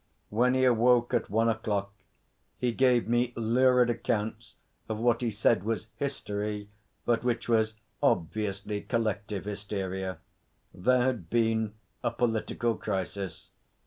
When he awoke at one o'clock he gave me lurid accounts of what he said was history, but which was obviously collective hysteria. There had been a political crisis.